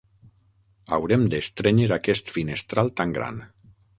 Haurem d'estrènyer aquest finestral tan gran.